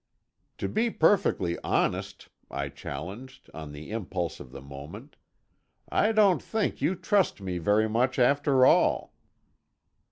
"To be perfectly honest," I challenged, on the impulse of the moment, "I don't think you trust me very much, after all."